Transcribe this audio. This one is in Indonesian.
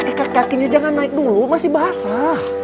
kek kakek kakinya jangan naik dulu masih basah